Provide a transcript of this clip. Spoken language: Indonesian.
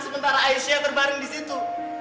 sementara aisyah terbareng disitu